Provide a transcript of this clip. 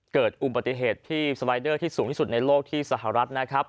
เกิดอุบัติเหตุที่สไลเดอร์ที่สูงที่สุดในโลกที่สหรัฐนะครับ